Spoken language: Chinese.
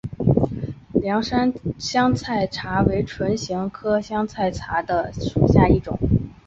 凉山香茶菜为唇形科香茶菜属下的一个种。